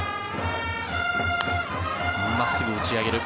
真っすぐ、打ち上げる。